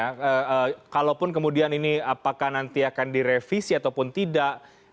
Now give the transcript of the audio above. nah kalaupun kemudian ini apakah nanti akan direvisi ataupun tidak